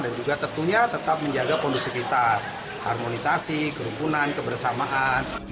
dan juga tentunya tetap menjaga kondusivitas harmonisasi kerumpunan kebersamaan